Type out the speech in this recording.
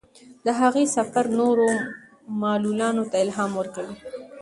د هغې سفر نورو معلولانو ته الهام ورکوي.